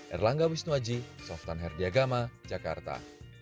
erlangga wisnuaji softan herdiagama jakarta